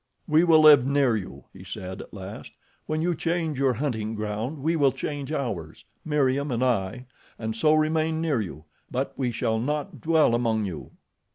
"We will live near you," he said, at last. "When you change your hunting ground we will change ours, Meriem and I, and so remain near you; but we shall not dwell among you."